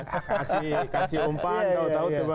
kasih umpan tau tau